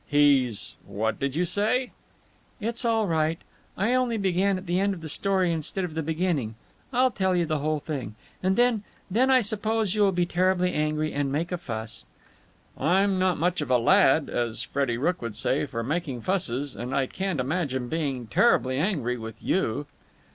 "He's ... what did you say?" "It's all right. I only began at the end of the story instead of the beginning. I'll tell you the whole thing. And then ... then I suppose you will be terribly angry and make a fuss." "I'm not much of a lad, as Freddie Rooke would say, for making fusses. And I can't imagine being terribly angry with you."